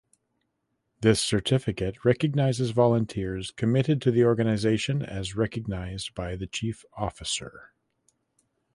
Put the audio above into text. This certificate recognises volunteers committed to the organisation as recognised by the chief officer.